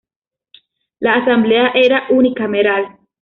La Asamblea era unicameral.